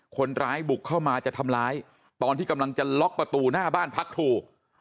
คนร้ายบุกเข้ามาจะทำร้ายตอนที่กำลังจะล็อกประตูหน้าบ้านพักครู